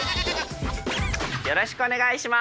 よろしくお願いします。